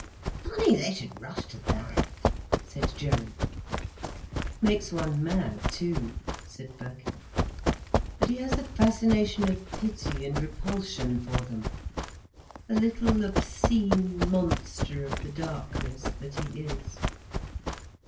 "Funny they should rush to that," said Gerald. "Makes one mad, too," said Birkin. "But he has the fascination of pity and repulsion for them, a little obscene monster of the darkness that he is."